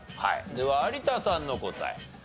では有田さんの答え。